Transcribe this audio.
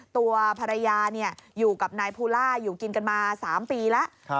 ตัวภรรยาอยู่กับนายภูล่าอยู่กินกันมา๓ปีแล้ว